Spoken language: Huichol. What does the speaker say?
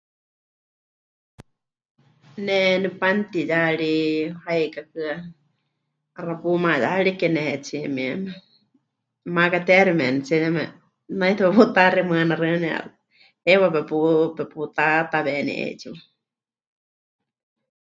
Ne nepanutiya ri haikákɨa. 'Axa pumayarike nehetsíe mieme. Makateeximenitsie yeme naitɨ peputaximɨanaxɨani ya heiwa pepu... peputataweni 'eetsiwa.